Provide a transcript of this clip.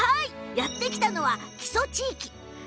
やって来たのは木曽地域。